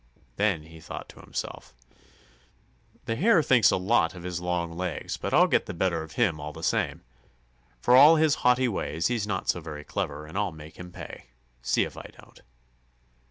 Then he thought to himself: "The Hare thinks a lot of his long legs, but I'll get the better of him all the same. For all his haughty ways, he's not so very clever, and I'll make him pay; see if I don't."